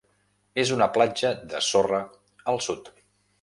És una platja de sorra al sud.